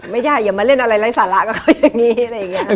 ไม่ได้อย่ามาเล่นอะไรไร้สาระกับเขาอย่างนี้